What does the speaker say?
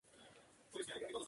Titular de Cultura de Monterrey.